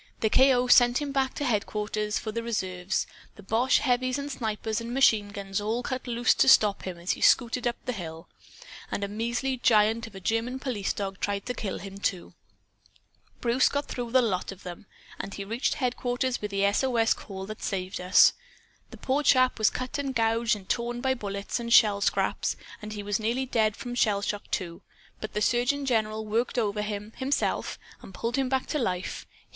The K.O. sent him back to headquarters for the reserves. The boche heavies and snipers and machine guns all cut loose to stop him as he scooted up the hill. And a measly giant of a German police dog tried to kill him, too. Bruce got through the lot of them; and he reached headquarters with the SOS call that saved us. The poor chap was cut and gouged and torn by bullets and shell scraps, and he was nearly dead from shell shock, too. But the surgeon general worked over him, himself, and pulled him back to life.